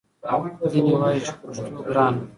ځینې وايي چې پښتو ګرانه ده